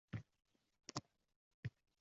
Badiiy bezakchi usta